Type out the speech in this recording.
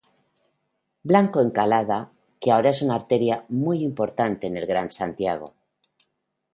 Blanco Encalada, que ahora es una arteria muy importante en el Gran Santiago.